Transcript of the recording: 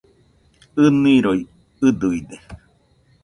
ɨniroi ɨduide